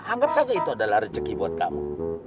anggap saja itu adalah rezeki buat kamu